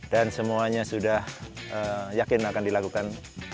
dan semuanya sudah yakin akan dilakukan